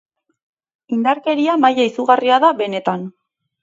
Indarkeria maila izugarria da, benetan.